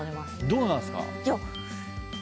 どうなんすか？